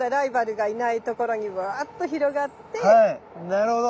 なるほど。